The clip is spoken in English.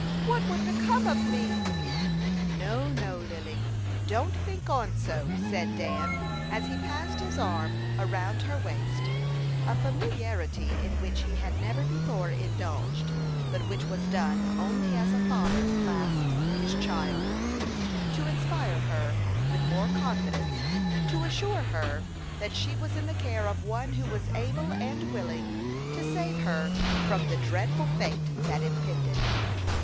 What would become of me?" "No, no, Lily: don't take on so," said Dan, as he passed his arm around her waist a familiarity in which he had never before indulged, but which was done only as a father clasps his child to inspire her with more confidence, to assure her that she was in the care of one who was able and willing to save her from the dreadful fate that impended.